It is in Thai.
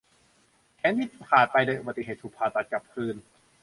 แขนที่ขาดไปโดยอุบัติเหตุถูกผ่าตัดกลับคืน